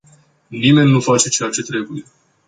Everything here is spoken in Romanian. Nimeni nu face ceea ce trebuie.